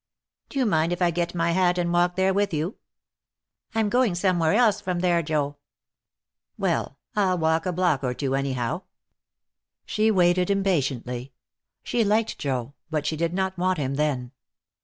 "Do you mind if I get my hat and walk there with you?" "I'm going somewhere else from there, Joe." "Well, I'll walk a block or two, anyhow." She waited impatiently. She liked Joe, but she did not want him then.